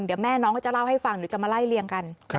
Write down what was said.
เดี๋ยวแม่น้องเขาจะเล่าให้ฟังหรือจะมาไล่เลี่ยงกัน